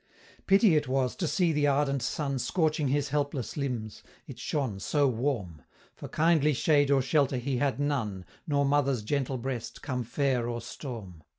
"Pity it was to see the ardent sun Scorching his helpless limbs it shone so warm; For kindly shade or shelter he had none, Nor mother's gentle breast, come fair or storm.